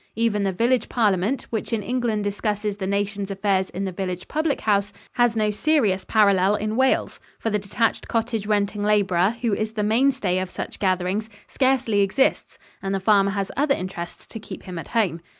Even the village parliament, which in England discusses the nation's affairs in the village public house, has no serious parallel in Wales, for the detached cottage renting laborer, who is the mainstay of such gatherings, scarcely exists, and the farmer has other interests to keep him at home."